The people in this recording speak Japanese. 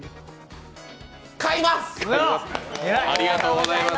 買います！